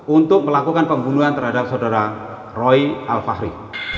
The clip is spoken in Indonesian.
untuk melakukan pembunuhan terhadap saudara roy alfahri